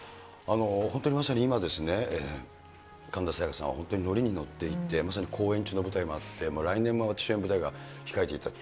本当にまさに今、神田沙也加さん乗りに乗っていて、まさに公演中の舞台もあって、来年も出演舞台が控えていたと。